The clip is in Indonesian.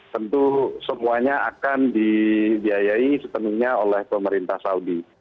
tentu semuanya akan dibiayai sepenuhnya oleh pemerintah saudi